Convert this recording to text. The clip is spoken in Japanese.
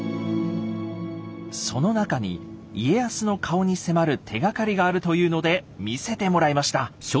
その中に「家康の顔」に迫る手がかりがあるというので見せてもらいました。